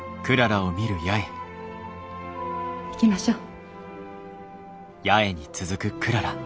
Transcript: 行きましょう。